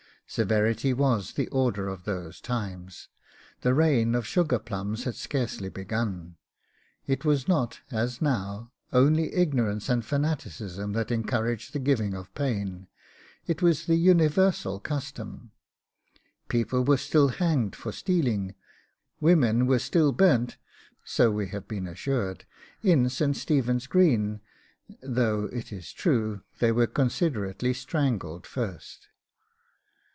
Severity was the order of those times. The reign of sugar plums had scarcely begun. It was not, as now, only ignorance and fanaticism that encouraged the giving of pain, it was the universal custom. People were still hanged for stealing, women were still burnt so we have been assured in St. Stephen's Green; though, it is true, they were considerately strangled first.